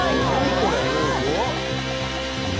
これ。